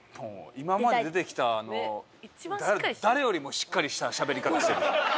今まで出てきた誰よりもしっかりしたしゃべり方してる。